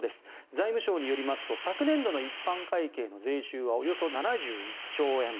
財務省によりますと昨年度の一般会計の税収はおよそ７１兆円。